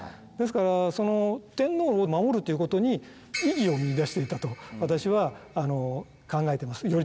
ですから天皇を守るということに意義を見いだしていたと私は考えてます。